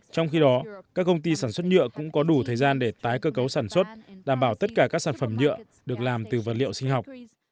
trong khi đó các công ty sản xuất nhựa cũng có đủ thời gian để tái cơ cấu sản xuất đảm bảo tất cả các sản phẩm nhựa được làm từ vật liệu sinh học